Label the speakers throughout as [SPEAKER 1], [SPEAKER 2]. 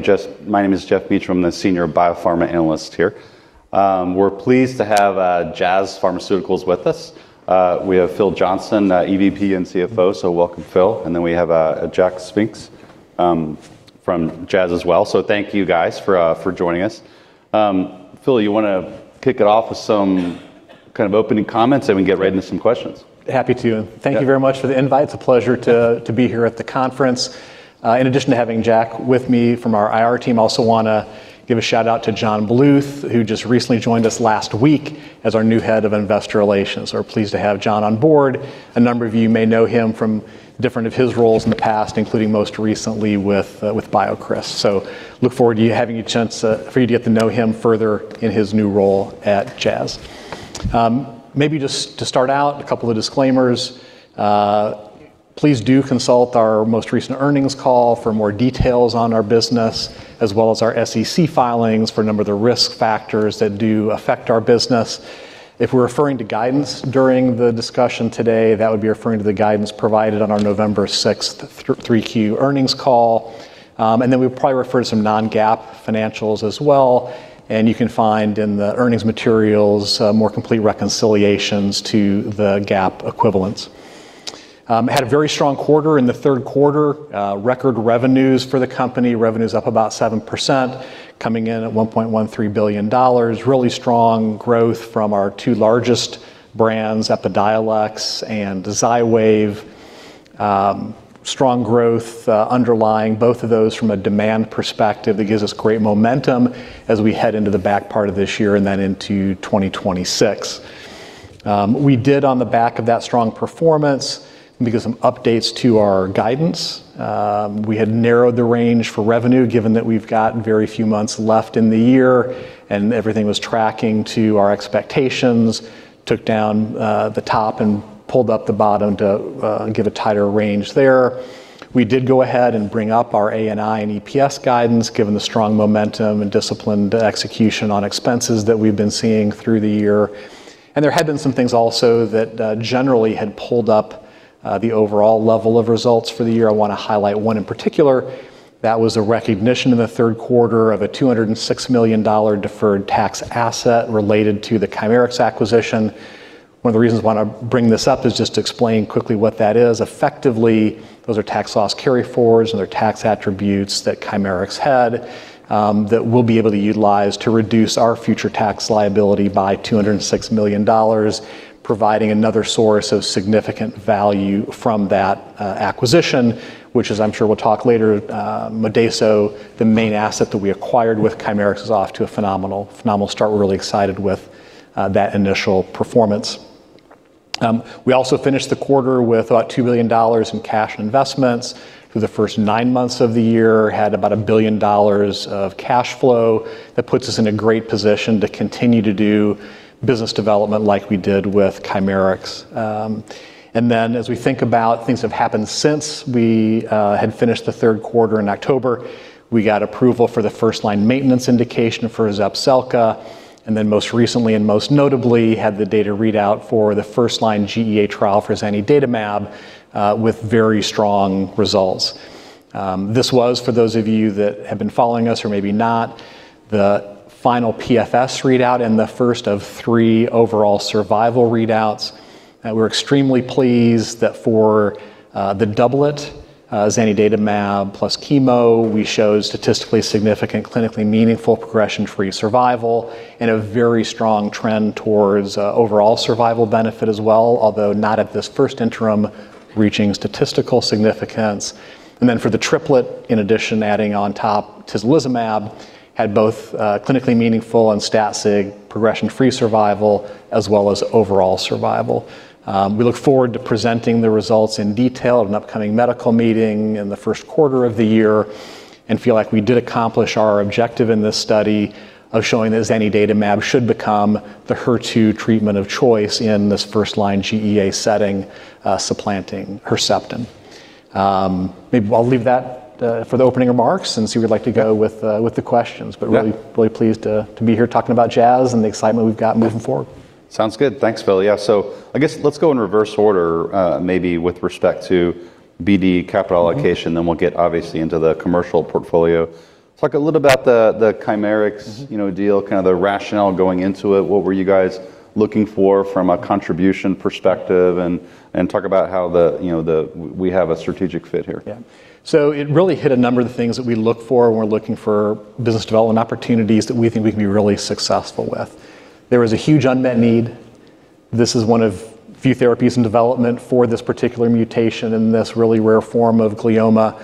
[SPEAKER 1] Just my name is Geff Meach. I'm the Senior Biopharma Analyst here. We're pleased to have Jazz Pharmaceuticals with us. We have Phil Johnson, EVP and CFO, so welcome, Phil. We have Jack Spinks from Jazz as well. Thank you, guys, for joining us. Phil, you want to kick it off with some kind of opening comments, and we can get right into some questions.
[SPEAKER 2] Happy to. Thank you very much for the invite. It's a pleasure to be here at the conference. In addition to having Jack with me from our IR team, I also want to give a shout-out to John Bluth, who just recently joined us last week as our new Head of Investor Relations. We're pleased to have John on board. A number of you may know him from different roles in the past, including most recently with BioCryst. Look forward to having a chance for you to get to know him further in his new role at Jazz. Maybe just to start out, a couple of disclaimers. Please do consult our most recent earnings call for more details on our business, as well as our SEC filings for a number of the risk factors that do affect our business. If we're referring to guidance during the discussion today, that would be referring to the guidance provided on our November 6th 3Q earnings call. We will probably refer to some non-GAAP financials as well. You can find in the earnings materials more complete reconciliations to the GAAP equivalents. Had a very strong quarter in the third quarter. Record revenues for the company, revenues up about 7%, coming in at $1.13 billion. Really strong growth from our two largest brands, Epidiolex and Xywav. Strong growth underlying both of those from a demand perspective that gives us great momentum as we head into the back part of this year and then into 2026. We did, on the back of that strong performance, because of updates to our guidance, we had narrowed the range for revenue, given that we've got very few months left in the year, and everything was tracking to our expectations. Took down the top and pulled up the bottom to give a tighter range there. We did go ahead and bring up our ANI and EPS guidance, given the strong momentum and disciplined execution on expenses that we've been seeing through the year. There had been some things also that generally had pulled up the overall level of results for the year. I want to highlight one in particular. That was a recognition in the third quarter of a $206 million deferred tax asset related to the Chimerix acquisition. One of the reasons I want to bring this up is just to explain quickly what that is. Effectively, those are tax loss carryforwards and their tax attributes that Chimerix had that we'll be able to utilize to reduce our future tax liability by $206 million, providing another source of significant value from that acquisition, which is, I'm sure we'll talk later, Modeso, the main asset that we acquired with Chimerix, is off to a phenomenal start. We're really excited with that initial performance. We also finished the quarter with about $2 billion in cash and investments. For the first nine months of the year, had about $1 billion of cash flow. That puts us in a great position to continue to do business development like we did with Chimerix. As we think about things that have happened since we had finished the third quarter in October, we got approval for the first-line maintenance indication for Zepzelca. Most recently, and most notably, had the data readout for the first-line GEA trial for zanidatamab with very strong results. This was, for those of you that have been following us or maybe not, the final PFS readout and the first of three overall survival readouts. We're extremely pleased that for the doublet, zanidatamab plus chemo, we show statistically significant, clinically meaningful, progression-free survival and a very strong trend towards overall survival benefit as well, although not at this first interim reaching statistical significance. For the triplet, in addition, adding on top to lizumab, had both clinically meaningful and stat-sig progression-free survival as well as overall survival. We look forward to presenting the results in detail at an upcoming medical meeting in the first quarter of the year and feel like we did accomplish our objective in this study of showing that zanidatamab should become the HER2 treatment of choice in this first-line GEA setting, supplanting Herceptin. Maybe I'll leave that for the opening remarks and see where you'd like to go with the questions. Really, really pleased to be here talking about Jazz and the excitement we've got moving forward.
[SPEAKER 1] Sounds good. Thanks, Phil. Yeah, I guess let's go in reverse order maybe with respect to BD capital allocation, then we'll get obviously into the commercial portfolio. Talk a little about the Chimerix deal, kind of the rationale going into it. What were you guys looking for from a contribution perspective? Talk about how we have a strategic fit here.
[SPEAKER 2] Yeah. It really hit a number of the things that we look for when we're looking for business development opportunities that we think we can be really successful with. There was a huge unmet need. This is one of a few therapies in development for this particular mutation in this really rare form of glioma.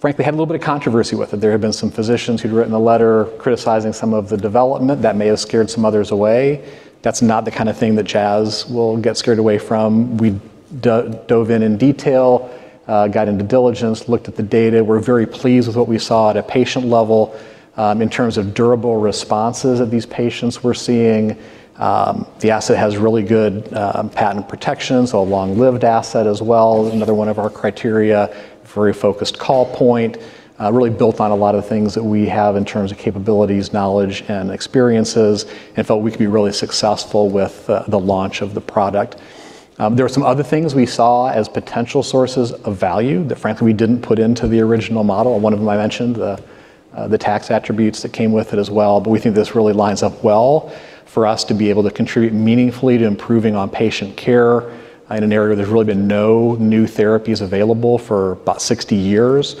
[SPEAKER 2] Frankly, had a little bit of controversy with it. There had been some physicians who'd written a letter criticizing some of the development that may have scared some others away. That's not the kind of thing that Jazz will get scared away from. We dove in in detail, got into diligence, looked at the data. We're very pleased with what we saw at a patient level in terms of durable responses these patients were seeing. The asset has really good patent protection, so a long-lived asset as well. Another one of our criteria, very focused call point, really built on a lot of the things that we have in terms of capabilities, knowledge, and experiences, and felt we could be really successful with the launch of the product. There were some other things we saw as potential sources of value that frankly we didn't put into the original model. One of them I mentioned, the tax attributes that came with it as well. We think this really lines up well for us to be able to contribute meaningfully to improving on patient care in an area where there's really been no new therapies available for about 60 years.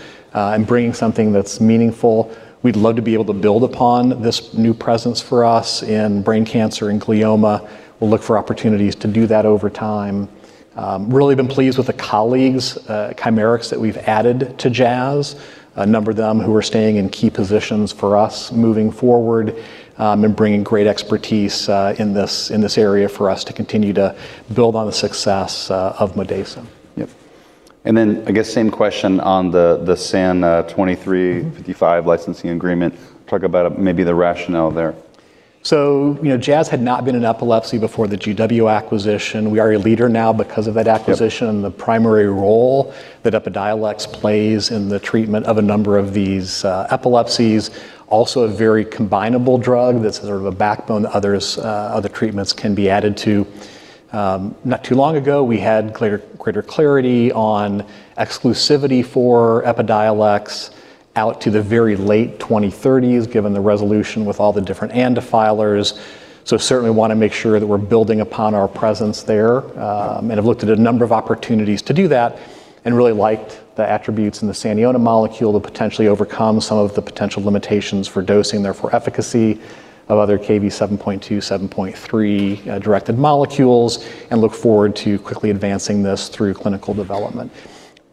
[SPEAKER 2] Bringing something that's meaningful, we'd love to be able to build upon this new presence for us in brain cancer and glioma. We'll look for opportunities to do that over time. Really been pleased with the colleagues at Chimerix that we've added to Jazz. A number of them who are staying in key positions for us moving forward and bringing great expertise in this area for us to continue to build on the success of Zepzelca.
[SPEAKER 1] Yep. I guess same question on the SAN2355 licensing agreement. Talk about maybe the rationale there.
[SPEAKER 2] Jazz had not been in epilepsy before the GW acquisition. We are a leader now because of that acquisition and the primary role that Epidiolex plays in the treatment of a number of these epilepsies. Also a very combinable drug that's sort of a backbone that other treatments can be added to. Not too long ago, we had greater clarity on exclusivity for Epidiolex out to the very late 2030s, given the resolution with all the different antifilers. Certainly want to make sure that we're building upon our presence there and have looked at a number of opportunities to do that and really liked the attributes in the Saniona molecule to potentially overcome some of the potential limitations for dosing, therefore efficacy of other Kv7.2/7.3 directed molecules, and look forward to quickly advancing this through clinical development.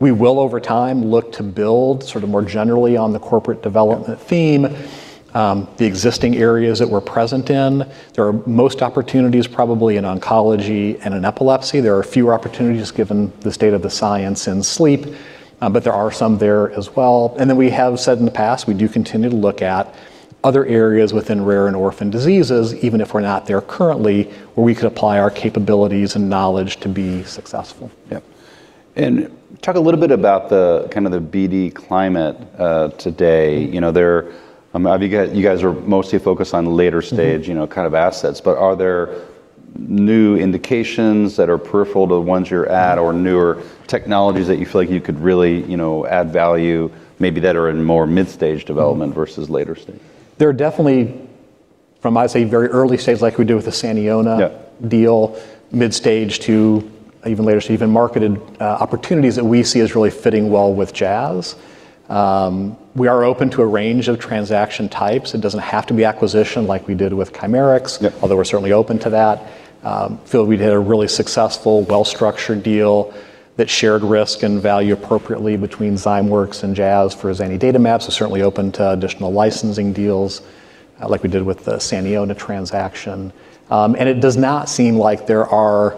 [SPEAKER 2] We will over time look to build sort of more generally on the corporate development theme, the existing areas that we're present in. There are most opportunities probably in oncology and in epilepsy. There are fewer opportunities given the state of the science in sleep, but there are some there as well. We have said in the past, we do continue to look at other areas within rare and orphan diseases, even if we're not there currently, where we could apply our capabilities and knowledge to be successful.
[SPEAKER 1] Yeah. Talk a little bit about the kind of the BD climate today. You guys are mostly focused on later stage kind of assets, but are there new indications that are peripheral to the ones you're at or newer technologies that you feel like you could really add value, maybe that are in more mid-stage development versus later stage?
[SPEAKER 2] There are definitely, from I'd say very early stage like we did with the Saniona deal, mid-stage to even later stage, even marketed opportunities that we see as really fitting well with Jazz. We are open to a range of transaction types. It doesn't have to be acquisition like we did with Chimerix, although we're certainly open to that. Phil, we did a really successful, well-structured deal that shared risk and value appropriately between Zymworks and Jazz for zanidatamab. Certainly open to additional licensing deals like we did with the Saniona transaction. It does not seem like there are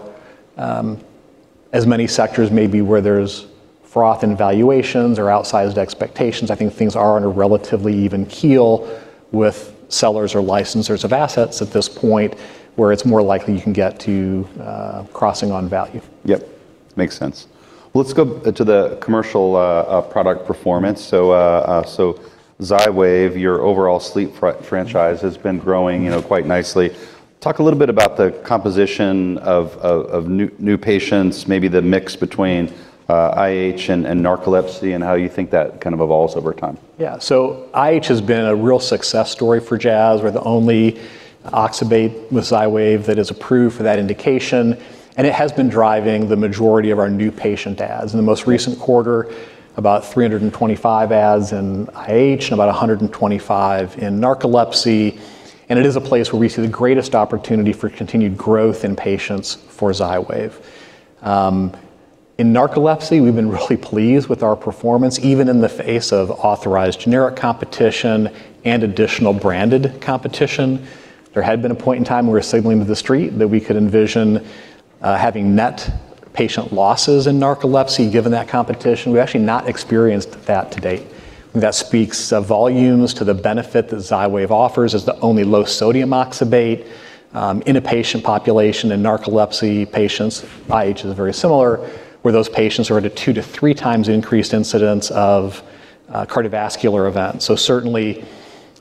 [SPEAKER 2] as many sectors maybe where there's froth in valuations or outsized expectations. I think things are on a relatively even keel with sellers or licensors of assets at this point where it's more likely you can get to crossing on value.
[SPEAKER 1] Yep. Makes sense. Let's go to the commercial product performance. Xywav, your overall sleep franchise has been growing quite nicely. Talk a little bit about the composition of new patients, maybe the mix between IH and narcolepsy and how you think that kind of evolves over time.
[SPEAKER 2] Yeah. IH has been a real success story for Jazz. We're the only oxybate with Xywav that is approved for that indication. It has been driving the majority of our new patient ads. In the most recent quarter, about 325 ads in IH and about 125 in narcolepsy. It is a place where we see the greatest opportunity for continued growth in patients for Xywav. In narcolepsy, we've been really pleased with our performance, even in the face of authorized generic competition and additional branded competition. There had been a point in time where we were signaling to the street that we could envision having net patient losses in narcolepsy given that competition. We've actually not experienced that to date. That speaks volumes to the benefit that Xywav offers as the only low-sodium oxybate in a patient population in narcolepsy patients. IH is very similar where those patients are at a two to three times increased incidence of cardiovascular events. Certainly,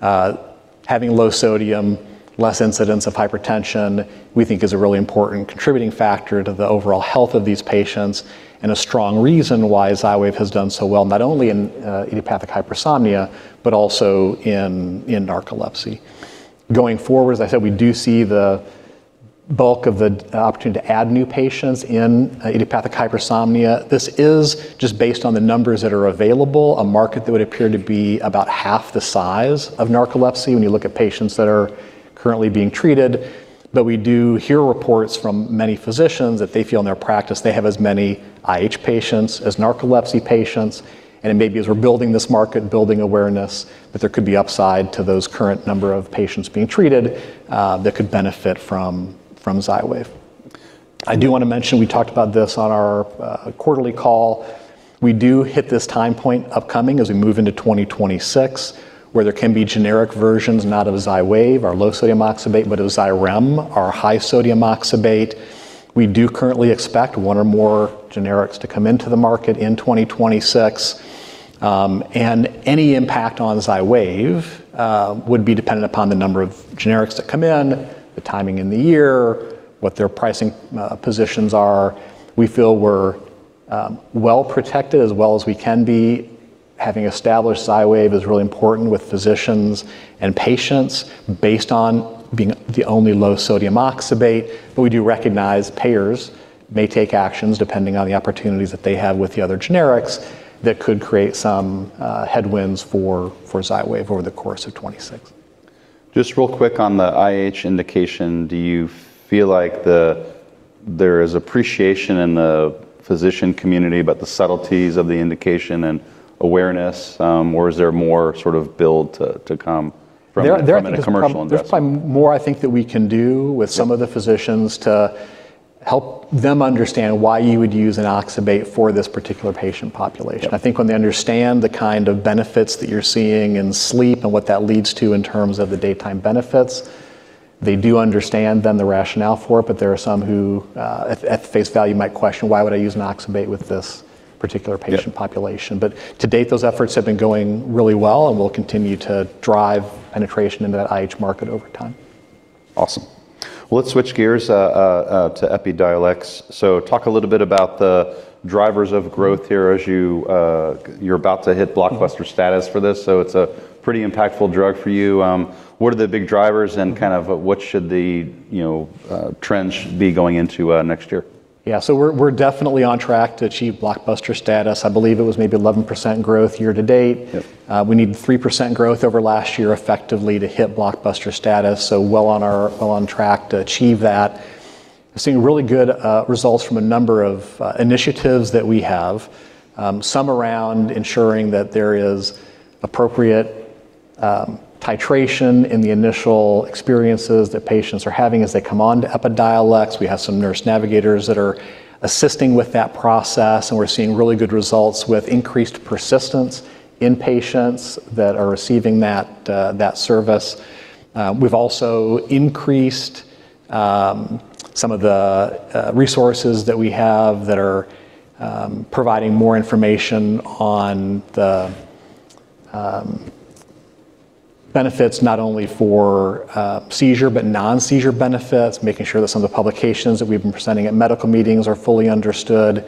[SPEAKER 2] having low sodium, less incidence of hypertension, we think is a really important contributing factor to the overall health of these patients and a strong reason why Xywav has done so well, not only in idiopathic hypersomnia, but also in narcolepsy. Going forward, as I said, we do see the bulk of the opportunity to add new patients in idiopathic hypersomnia. This is just based on the numbers that are available, a market that would appear to be about half the size of narcolepsy when you look at patients that are currently being treated. We do hear reports from many physicians that they feel in their practice, they have as many IH patients as narcolepsy patients. It may be as we're building this market, building awareness that there could be upside to those current number of patients being treated that could benefit from Xywav. I do want to mention, we talked about this on our quarterly call. We do hit this time point upcoming as we move into 2026 where there can be generic versions not of Xywav, our low-sodium oxybate, but of Xyrem, our high-sodium oxybate. We do currently expect one or more generics to come into the market in 2026. Any impact on Xywav would be dependent upon the number of generics that come in, the timing in the year, what their pricing positions are. We feel we're well protected as well as we can be. Having established Xywav is really important with physicians and patients based on being the only low-sodium oxybate. We do recognize payers may take actions depending on the opportunities that they have with the other generics that could create some headwinds for Xywav over the course of 2026.
[SPEAKER 1] Just real quick on the IH indication, do you feel like there is appreciation in the physician community about the subtleties of the indication and awareness, or is there more sort of build to come from the commercial investment?
[SPEAKER 2] There's probably more, I think, that we can do with some of the physicians to help them understand why you would use an oxybate for this particular patient population. I think when they understand the kind of benefits that you're seeing in sleep and what that leads to in terms of the daytime benefits, they do understand then the rationale for it. There are some who, at face value, might question, why would I use an oxybate with this particular patient population? To date, those efforts have been going really well and will continue to drive penetration into that IH market over time.
[SPEAKER 1] Awesome. Let's switch gears to Epidiolex. Talk a little bit about the drivers of growth here as you're about to hit blockbuster status for this. It's a pretty impactful drug for you. What are the big drivers and kind of what should the trench be going into next year?
[SPEAKER 2] Yeah. We're definitely on track to achieve blockbuster status. I believe it was maybe 11% growth year to date. We need 3% growth over last year effectively to hit blockbuster status. We're well on track to achieve that. We're seeing really good results from a number of initiatives that we have, some around ensuring that there is appropriate titration in the initial experiences that patients are having as they come on to Epidiolex. We have some nurse navigators that are assisting with that process, and we're seeing really good results with increased persistence in patients that are receiving that service. We've also increased some of the resources that we have that are providing more information on the benefits not only for seizure, but non-seizure benefits, making sure that some of the publications that we've been presenting at medical meetings are fully understood.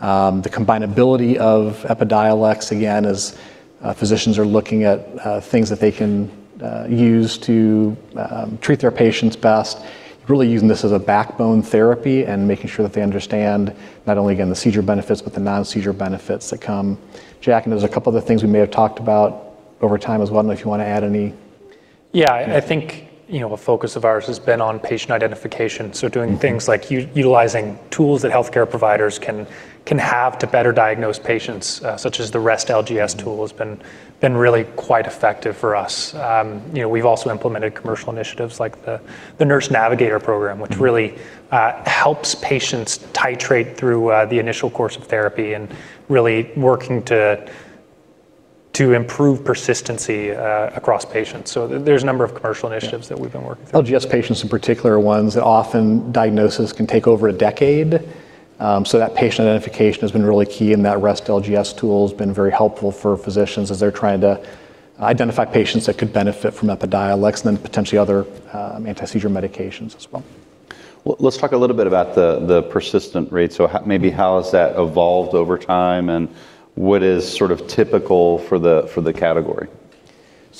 [SPEAKER 2] The combinability of Epidiolex, again, as physicians are looking at things that they can use to treat their patients best, really using this as a backbone therapy and making sure that they understand not only, again, the seizure benefits, but the non-seizure benefits that come. Jack, there's a couple of other things we may have talked about over time as well. I don't know if you want to add any.
[SPEAKER 3] Yeah. I think a focus of ours has been on patient identification. Doing things like utilizing tools that healthcare providers can have to better diagnose patients, such as the REST LGS tool, has been really quite effective for us. We've also implemented commercial initiatives like the Nurse Navigator program, which really helps patients titrate through the initial course of therapy and really working to improve persistency across patients. There is a number of commercial initiatives that we've been working through.
[SPEAKER 2] LGS patients in particular are ones that often diagnosis can take over a decade. That patient identification has been really key, and that REST LGS tool has been very helpful for physicians as they're trying to identify patients that could benefit from Epidiolex and then potentially other anti-seizure medications as well.
[SPEAKER 1] Let's talk a little bit about the persistent rate. Maybe how has that evolved over time and what is sort of typical for the category?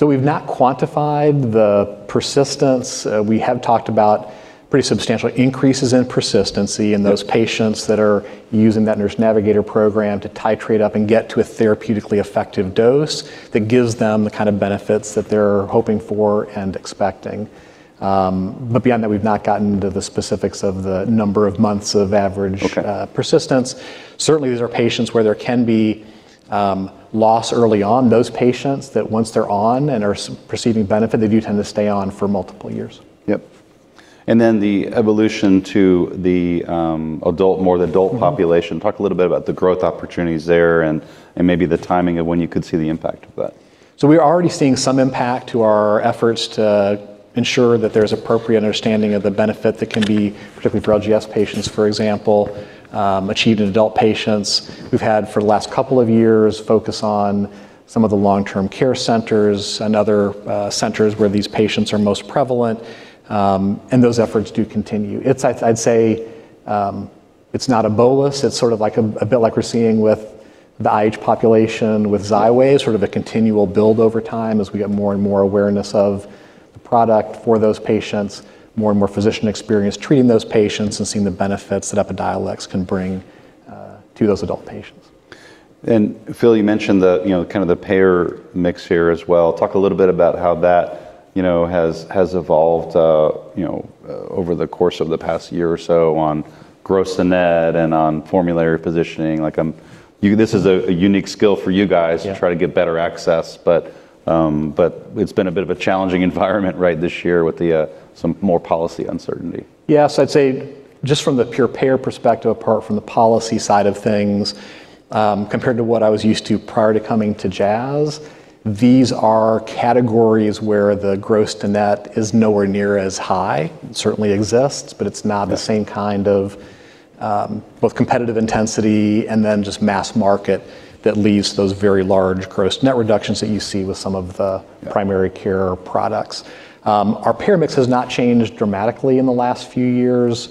[SPEAKER 2] We have not quantified the persistence. We have talked about pretty substantial increases in persistency in those patients that are using that Nurse Navigator program to titrate up and get to a therapeutically effective dose that gives them the kind of benefits that they are hoping for and expecting. Beyond that, we have not gotten into the specifics of the number of months of average persistence. Certainly, these are patients where there can be loss early on. Those patients that once they are on and are perceiving benefit, they do tend to stay on for multiple years.
[SPEAKER 1] Yep. And then the evolution to the more adult population. Talk a little bit about the growth opportunities there and maybe the timing of when you could see the impact of that.
[SPEAKER 2] We are already seeing some impact to our efforts to ensure that there's appropriate understanding of the benefit that can be, particularly for LGS patients, for example, achieved in adult patients. We've had for the last couple of years focus on some of the long-term care centers and other centers where these patients are most prevalent, and those efforts do continue. I'd say it's not a bolus. It's sort of like we're seeing with the IH population with Xywav, sort of a continual build over time as we get more and more awareness of the product for those patients, more and more physician experience treating those patients and seeing the benefits that Epidiolex can bring to those adult patients.
[SPEAKER 1] Phil, you mentioned kind of the payer mix here as well. Talk a little bit about how that has evolved over the course of the past year or so on gross and NED and on formulary positioning. This is a unique skill for you guys to try to get better access, but it's been a bit of a challenging environment right this year with some more policy uncertainty.
[SPEAKER 2] Yeah. I'd say just from the pure payer perspective, apart from the policy side of things, compared to what I was used to prior to coming to Jazz, these are categories where the gross to net is nowhere near as high. It certainly exists, but it's not the same kind of both competitive intensity and then just mass market that leaves those very large gross net reductions that you see with some of the primary care products. Our payer mix has not changed dramatically in the last few years.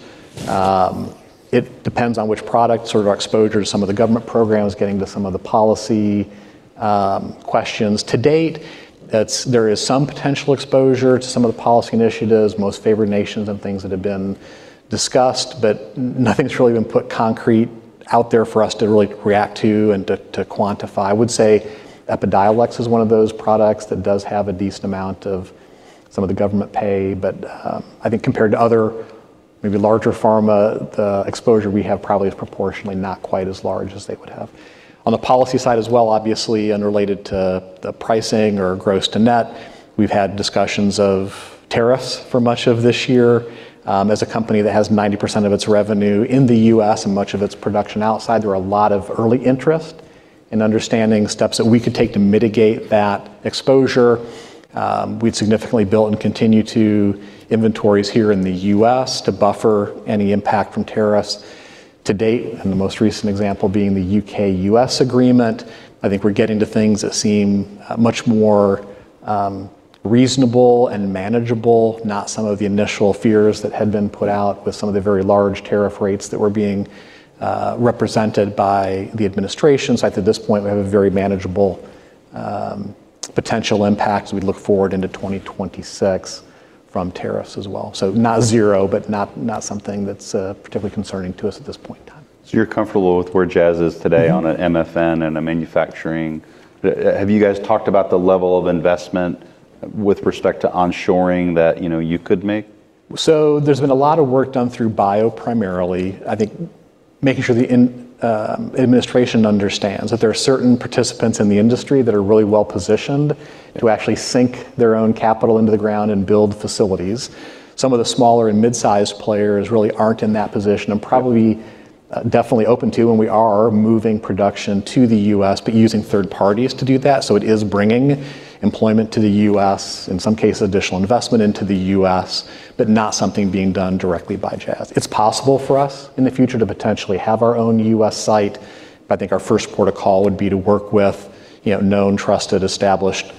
[SPEAKER 2] It depends on which product, sort of our exposure to some of the government programs, getting to some of the policy questions. To date, there is some potential exposure to some of the policy initiatives, most favored nations and things that have been discussed, but nothing's really been put concrete out there for us to really react to and to quantify. I would say Epidiolex is one of those products that does have a decent amount of some of the government pay, but I think compared to other maybe larger pharma, the exposure we have probably is proportionally not quite as large as they would have. On the policy side as well, obviously, and related to the pricing or gross to net, we've had discussions of tariffs for much of this year. As a company that has 90% of its revenue in the U.S. and much of its production outside, there are a lot of early interest in understanding steps that we could take to mitigate that exposure. We've significantly built and continue to inventory here in the U.S. to buffer any impact from tariffs to date, and the most recent example being the U.K.-U.S. agreement. I think we're getting to things that seem much more reasonable and manageable, not some of the initial fears that had been put out with some of the very large tariff rates that were being represented by the administration. I think at this point, we have a very manageable potential impact as we look forward into 2026 from tariffs as well. Not zero, but not something that's particularly concerning to us at this point in time.
[SPEAKER 1] You're comfortable with where Jazz is today on an MFN and a manufacturing. Have you guys talked about the level of investment with respect to onshoring that you could make?
[SPEAKER 2] There's been a lot of work done through bio primarily. I think making sure the administration understands that there are certain participants in the industry that are really well positioned to actually sink their own capital into the ground and build facilities. Some of the smaller and mid-sized players really aren't in that position and probably definitely open to, and we are moving production to the U.S., but using third parties to do that. It is bringing employment to the U.S., in some cases additional investment into the U.S., but not something being done directly by Jazz. It's possible for us in the future to potentially have our own U.S. site, but I think our first protocol would be to work with known, trusted, established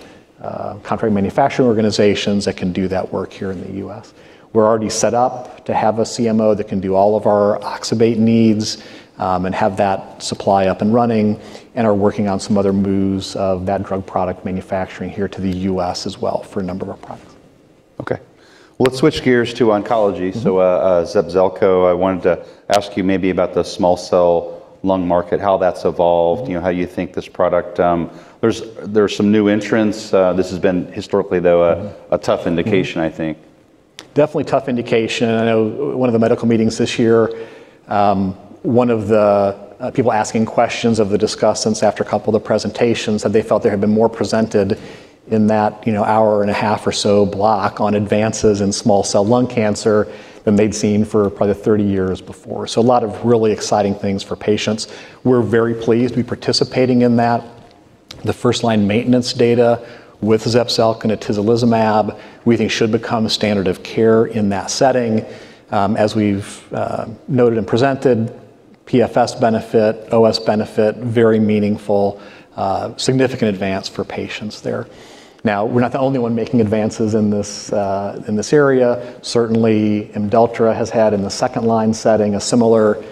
[SPEAKER 2] contract manufacturing organizations that can do that work here in the U.S. We're already set up to have a CMO that can do all of our oxybate needs and have that supply up and running and are working on some other moves of that drug product manufacturing here to the U.S. as well for a number of our products.
[SPEAKER 1] Okay. Let's switch gears to oncology. Zepzelca, I wanted to ask you maybe about the small cell lung market, how that's evolved, how you think this product. There's some new entrants. This has been historically, though, a tough indication, I think.
[SPEAKER 2] Definitely tough indication. I know one of the medical meetings this year, one of the people asking questions of the discussants after a couple of the presentations said they felt there had been more presented in that hour and a half or so block on advances in small cell lung cancer than they'd seen for probably 30 years before. A lot of really exciting things for patients. We're very pleased to be participating in that. The first-line maintenance data with Zepzelca and atezolizumab, we think should become standard of care in that setting. As we've noted and presented, PFS benefit, OS benefit, very meaningful, significant advance for patients there. Now, we're not the only one making advances in this area. Certainly, Imdelltra has had in the second-line setting a similar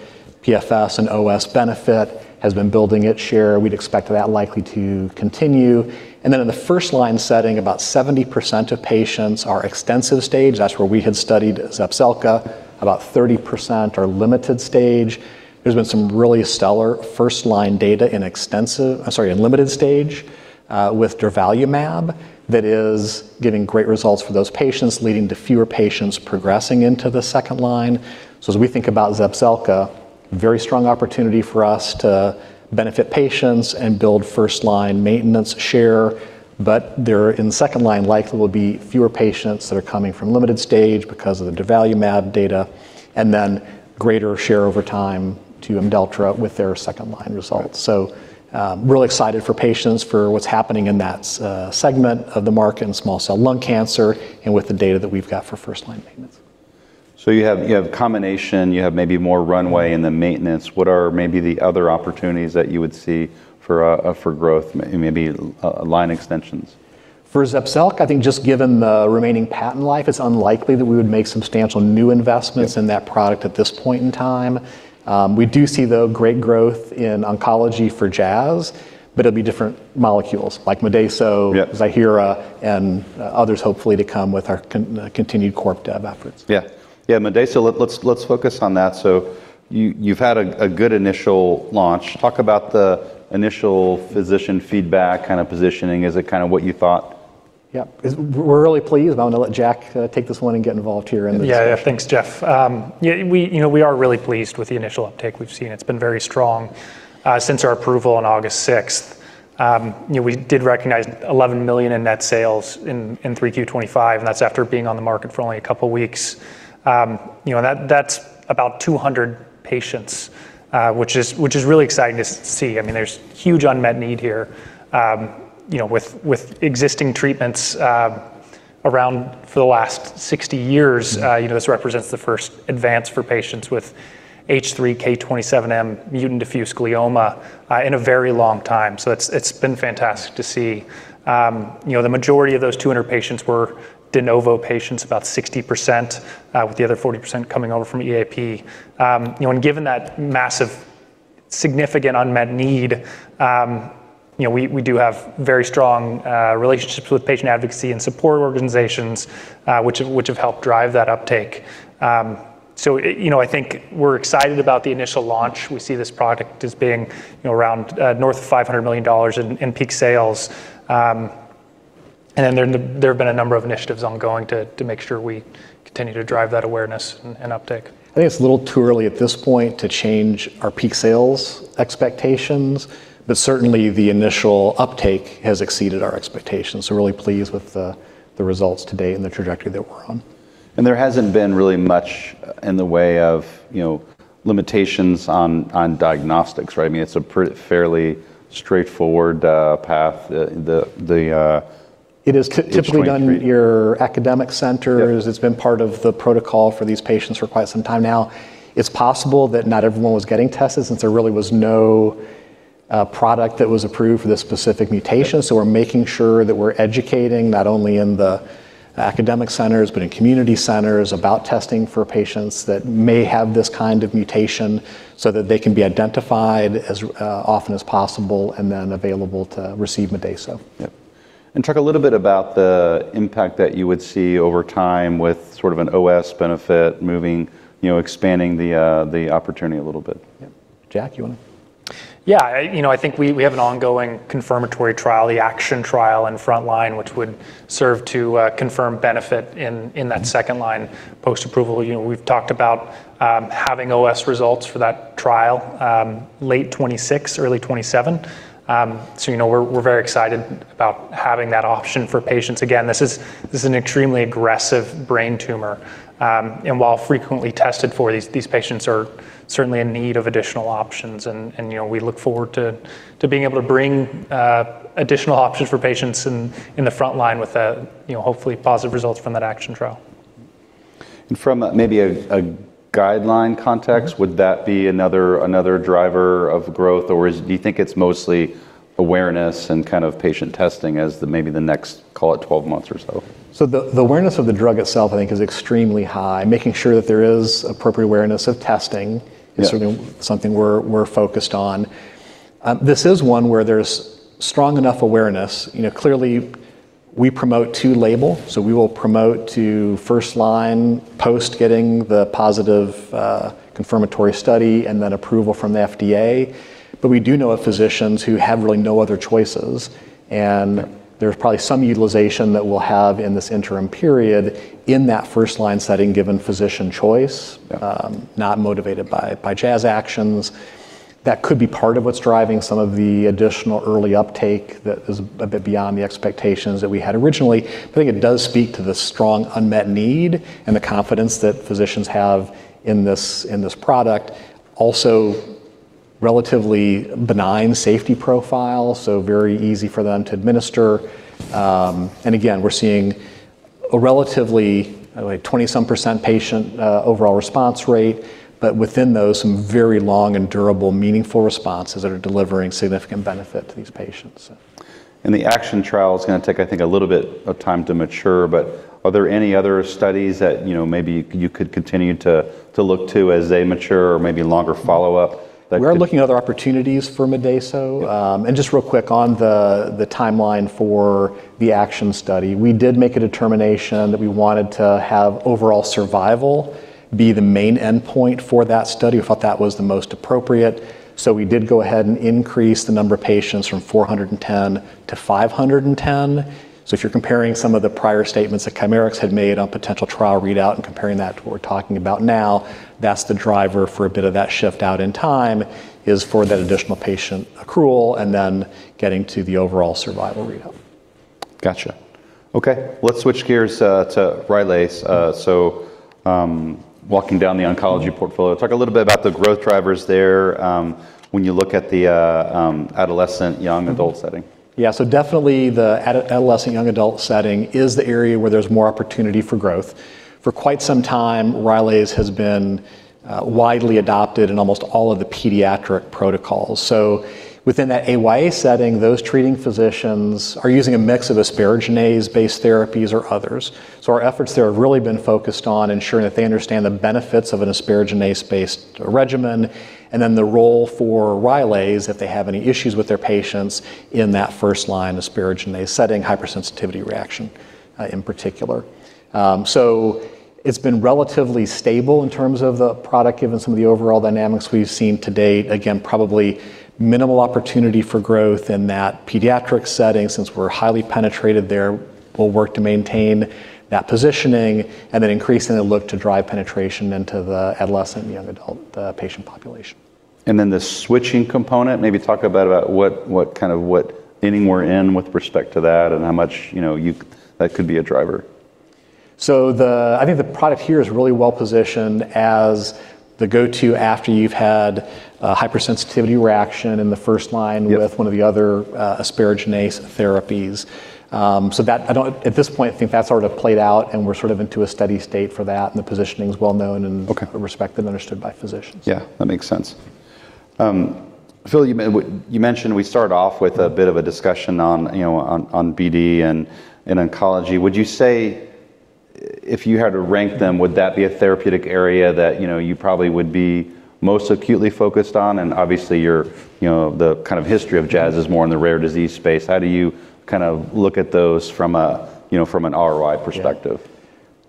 [SPEAKER 2] PFS and OS benefit, has been building its share. We'd expect that likely to continue. In the first-line setting, about 70% of patients are extensive stage. That is where we had studied Zepzelca. About 30% are limited stage. There has been some really stellar first-line data in limited stage with Durvalumab that is giving great results for those patients, leading to fewer patients progressing into the second line. As we think about Zepzelca, very strong opportunity for us to benefit patients and build first-line maintenance share, but there in the second line likely will be fewer patients that are coming from limited stage because of the Durvalumab data and then greater share over time to Imdelltra with their second-line results. Really excited for patients for what is happening in that segment of the market in small cell lung cancer and with the data that we have got for first-line maintenance.
[SPEAKER 1] You have combination, you have maybe more runway in the maintenance. What are maybe the other opportunities that you would see for growth, maybe line extensions?
[SPEAKER 2] For Zepzelca, I think just given the remaining patent life, it's unlikely that we would make substantial new investments in that product at this point in time. We do see, though, great growth in oncology for Jazz, but it'll be different molecules like Midaso, Ziihera, and others hopefully to come with our continued CorpDev efforts.
[SPEAKER 1] Yeah. Yeah, Midaso, let's focus on that. You've had a good initial launch. Talk about the initial physician feedback, kind of positioning. Is it kind of what you thought?
[SPEAKER 2] Yeah. We're really pleased. I'm going to let Jack take this one and get involved here in the chat.
[SPEAKER 3] Yeah, thanks, Jeff. We are really pleased with the initial uptake we've seen. It's been very strong since our approval on August 6th. We did recognize $11 million in net sales in 3Q 2025, and that's after being on the market for only a couple of weeks. That's about 200 patients, which is really exciting to see. I mean, there's huge unmet need here with existing treatments around for the last 60 years. This represents the first advance for patients with H3K27M mutant diffuse glioma in a very long time. It has been fantastic to see. The majority of those 200 patients were de novo patients, about 60%, with the other 40% coming over from EAP. Given that massive, significant unmet need, we do have very strong relationships with patient advocacy and support organizations which have helped drive that uptake. I think we're excited about the initial launch. We see this product as being around north of $500 million in peak sales. There have been a number of initiatives ongoing to make sure we continue to drive that awareness and uptake.
[SPEAKER 2] I think it's a little too early at this point to change our peak sales expectations, but certainly the initial uptake has exceeded our expectations. Really pleased with the results today and the trajectory that we're on.
[SPEAKER 1] There hasn't been really much in the way of limitations on diagnostics, right? I mean, it's a fairly straightforward path.
[SPEAKER 2] It is typically done in your academic centers. It's been part of the protocol for these patients for quite some time now. It's possible that not everyone was getting tested since there really was no product that was approved for this specific mutation. We're making sure that we're educating not only in the academic centers, but in community centers about testing for patients that may have this kind of mutation so that they can be identified as often as possible and then available to receive Midaso.
[SPEAKER 1] Yep. Talk a little bit about the impact that you would see over time with sort of an OS benefit moving, expanding the opportunity a little bit.
[SPEAKER 2] Yeah. Jack, you want to?
[SPEAKER 3] Yeah. I think we have an ongoing confirmatory trial, the ACTION trial in front line, which would serve to confirm benefit in that second line post-approval. We've talked about having OS results for that trial late 2026, early 2027. We are very excited about having that option for patients. Again, this is an extremely aggressive brain tumor. While frequently tested for, these patients are certainly in need of additional options. We look forward to being able to bring additional options for patients in the front line with hopefully positive results from that ACTION trial.
[SPEAKER 1] From maybe a guideline context, would that be another driver of growth, or do you think it's mostly awareness and kind of patient testing as maybe the next, call it 12 months or so?
[SPEAKER 2] The awareness of the drug itself, I think, is extremely high. Making sure that there is appropriate awareness of testing is certainly something we're focused on. This is one where there's strong enough awareness. Clearly, we promote to label, so we will promote to first line post getting the positive confirmatory study and then approval from the FDA. We do know of physicians who have really no other choices. There's probably some utilization that we'll have in this interim period in that first line setting given physician choice, not motivated by Jazz actions. That could be part of what's driving some of the additional early uptake that is a bit beyond the expectations that we had originally. I think it does speak to the strong unmet need and the confidence that physicians have in this product. Also, relatively benign safety profile, so very easy for them to administer. Again, we're seeing a relatively 20-some % patient overall response rate, but within those, some very long and durable, meaningful responses that are delivering significant benefit to these patients.
[SPEAKER 1] The ACTION trial is going to take, I think, a little bit of time to mature, but are there any other studies that maybe you could continue to look to as they mature or maybe longer follow-up?
[SPEAKER 2] We are looking at other opportunities for Midaso. Just real quick on the timeline for the ACTION study, we did make a determination that we wanted to have overall survival be the main endpoint for that study. We thought that was the most appropriate. We did go ahead and increase the number of patients from 410-510. If you're comparing some of the prior statements that Chimerix had made on potential trial readout and comparing that to what we're talking about now, that's the driver for a bit of that shift out in time is for that additional patient accrual and then getting to the overall survival readout.
[SPEAKER 1] Gotcha. Okay. Let's switch gears to Rylaze. Walking down the oncology portfolio, talk a little bit about the growth drivers there when you look at the adolescent, young, adult setting.
[SPEAKER 2] Yeah. Definitely the adolescent, young adult setting is the area where there's more opportunity for growth. For quite some time, Rylaze has been widely adopted in almost all of the pediatric protocols. Within that AYA setting, those treating physicians are using a mix of asparaginase-based therapies or others. Our efforts there have really been focused on ensuring that they understand the benefits of an asparaginase-based regimen and then the role for Rylaze if they have any issues with their patients in that first line asparaginase setting, hypersensitivity reaction in particular. It's been relatively stable in terms of the product given some of the overall dynamics we've seen to date. Again, probably minimal opportunity for growth in that pediatric setting since we're highly penetrated there. We'll work to maintain that positioning and then increasingly look to drive penetration into the adolescent and young adult patient population.
[SPEAKER 1] The switching component, maybe talk about kind of what ending we're in with respect to that and how much that could be a driver.
[SPEAKER 2] I think the product here is really well positioned as the go-to after you've had a hypersensitivity reaction in the first line with one of the other asparaginase therapies. At this point, I think that's already played out and we're sort of into a steady state for that and the positioning is well known and respected and understood by physicians.
[SPEAKER 1] Yeah, that makes sense. Phil, you mentioned we started off with a bit of a discussion on BD and oncology. Would you say if you had to rank them, would that be a therapeutic area that you probably would be most acutely focused on? Obviously, the kind of history of Jazz is more in the rare disease space. How do you kind of look at those from an ROI perspective?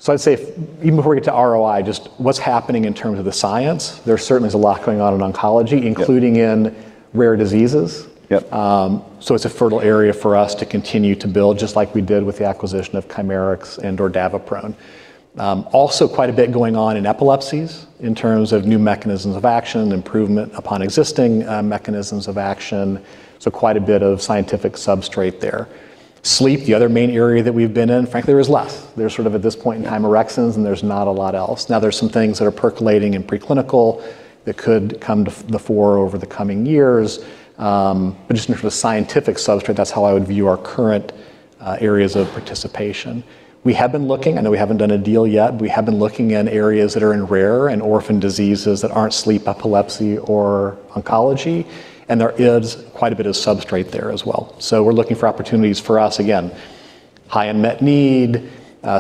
[SPEAKER 2] I'd say even before we get to ROI, just what's happening in terms of the science. There certainly is a lot going on in oncology, including in rare diseases. It's a fertile area for us to continue to build, just like we did with the acquisition of Chimerix and/or Davapron. Also quite a bit going on in epilepsies in terms of new mechanisms of action, improvement upon existing mechanisms of action. Quite a bit of scientific substrate there. Sleep, the other main area that we've been in, frankly, there's less. There's sort of at this point in time erections, and there's not a lot else. Now, there's some things that are percolating in preclinical that could come to the fore over the coming years. Just in terms of scientific substrate, that's how I would view our current areas of participation. We have been looking, I know we haven't done a deal yet, but we have been looking in areas that are in rare and orphan diseases that aren't sleep, epilepsy, or oncology. There is quite a bit of substrate there as well. We're looking for opportunities for us, again, high unmet need,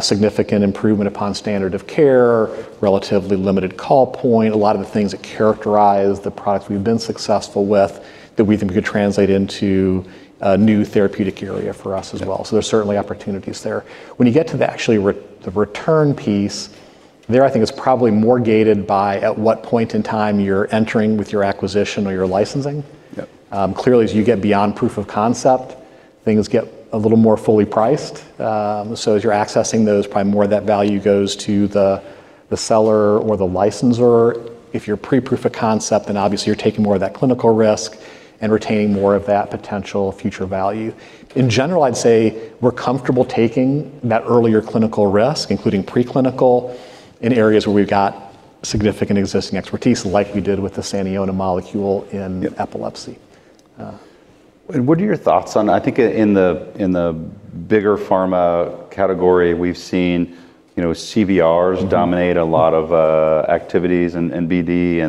[SPEAKER 2] significant improvement upon standard of care, relatively limited call point, a lot of the things that characterize the product we've been successful with that we think we could translate into a new therapeutic area for us as well. There are certainly opportunities there. When you get to the actual return piece, there I think is probably more gated by at what point in time you're entering with your acquisition or your licensing. Clearly, as you get beyond proof of concept, things get a little more fully priced. As you're accessing those, probably more of that value goes to the seller or the licensor. If you're pre-proof of concept, then obviously you're taking more of that clinical risk and retaining more of that potential future value. In general, I'd say we're comfortable taking that earlier clinical risk, including preclinical, in areas where we've got significant existing expertise, like we did with the Saniona molecule in epilepsy.
[SPEAKER 1] What are your thoughts on, I think in the bigger pharma category, we've seen CVRs dominate a lot of activities in BD.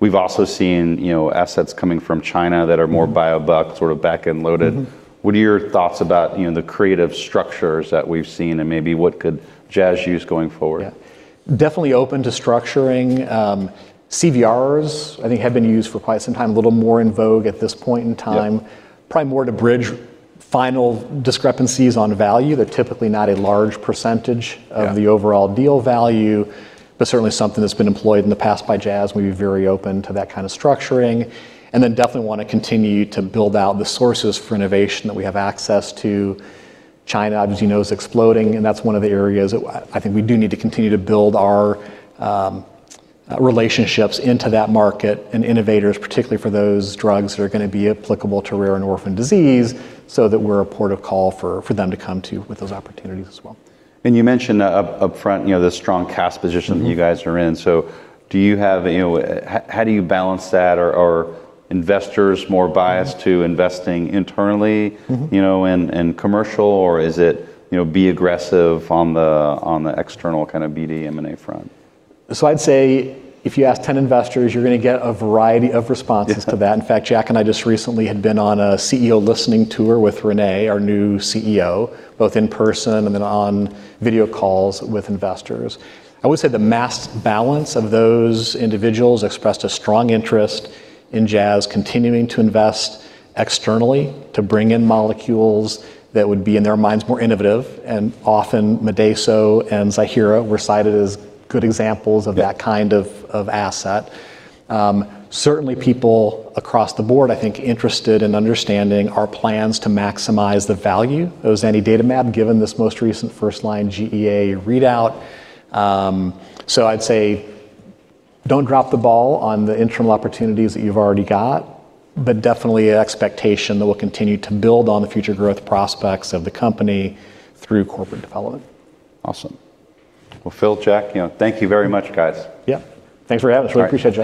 [SPEAKER 1] We've also seen assets coming from China that are more Biobuck sort of backend loaded. What are your thoughts about the creative structures that we've seen and maybe what could Jazz use going forward?
[SPEAKER 2] Definitely open to structuring. CVRs, I think, have been used for quite some time, a little more in vogue at this point in time, probably more to bridge final discrepancies on value. They're typically not a large percentage of the overall deal value, but certainly something that's been employed in the past by Jazz. We'd be very open to that kind of structuring. I definitely want to continue to build out the sources for innovation that we have access to. China, obviously, is exploding, and that's one of the areas that I think we do need to continue to build our relationships into that market and innovators, particularly for those drugs that are going to be applicable to rare and orphan disease so that we're a port of call for them to come to with those opportunities as well.
[SPEAKER 1] You mentioned upfront the strong cash position that you guys are in. Do you have, how do you balance that? Are investors more biased to investing internally and commercial, or is it be aggressive on the external kind of BD, M&A front?
[SPEAKER 2] I'd say if you ask 10 investors, you're going to get a variety of responses to that. In fact, Jack and I just recently had been on a CEO listening tour with Renee, our new CEO, both in person and then on video calls with investors. I would say the mass balance of those individuals expressed a strong interest in Jazz continuing to invest externally to bring in molecules that would be in their minds more innovative. And often Rylaze and Ziihera were cited as good examples of that kind of asset. Certainly, people across the board, I think, interested in understanding our plans to maximize the value of Zanidatamab given this most recent first line GEA readout. I'd say don't drop the ball on the internal opportunities that you've already got, but definitely an expectation that we'll continue to build on the future growth prospects of the company through corporate development.
[SPEAKER 1] Awesome. Phil, Jack, thank you very much, guys.
[SPEAKER 2] Yeah. Thanks for having us. We appreciate it.